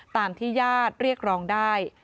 ตามที่ญาติเรียกร้องได้